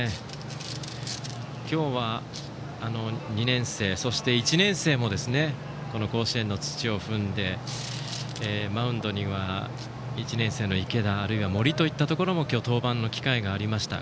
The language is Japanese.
今日は２年生、１年生もこの甲子園の土を踏んでマウンドには１年生の池田あるいは森といったところも今日、登板の機会がありました。